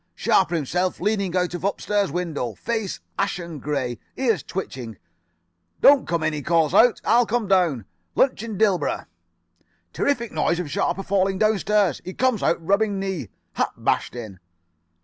Sharper himself leaning out of upstairs window. Face ashen grey. Ears twitching. 'Don't come in,' he calls out, 'I'll come down. Lunch in Dilborough.' "Terrific noise of Sharper falling downstairs. Out he comes, rubbing knee. Hat bashed in.